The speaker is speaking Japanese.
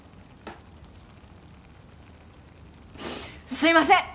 すいません！